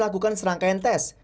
kita lakukan serangkaian tes